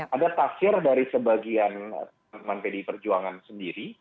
ada taksir dari sebagian pdi perjuangan sendiri